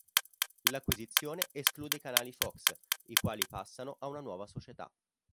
L'acquisizione esclude i canali Fox, i quali passano a una nuova società.